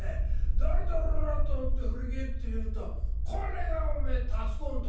誰だろうなと思って振り返ってみるとこれがおめえたつ公んと